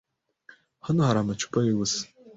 Hano hari amacupa yubusa.